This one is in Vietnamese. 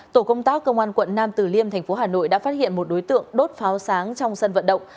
tổ công tác công an quận nam từ liêm thành phố hà nội đã phát hiện một đối tượng đốt pháo sáng trong sân vận động